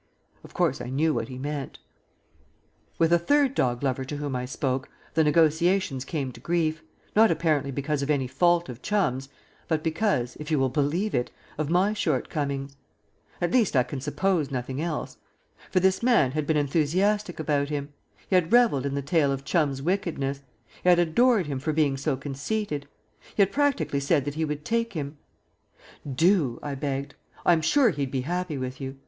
Of course, I knew what he meant. With a third dog lover to whom I spoke the negotiations came to grief, not apparently because of any fault of Chum's, but because, if you will believe it, of my shortcomings. At least I can suppose nothing else. For this man had been enthusiastic about him. He had revelled in the tale of Chum's wickedness; he had adored him for being so conceited. He had practically said that he would take him. "Do," I begged. "I'm sure he'd be happy with you.